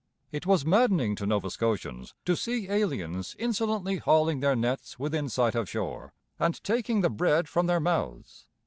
It was maddening to Nova Scotians to see aliens insolently hauling their nets within sight of shore and taking the bread from their mouths.